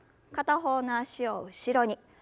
片方の脚を後ろに。